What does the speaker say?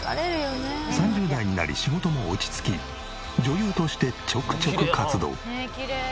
３０代になり仕事も落ち着き女優としてちょくちょく活動。